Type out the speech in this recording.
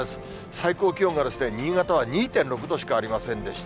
最高気温がですね、新潟は２．６度しかありませんでした。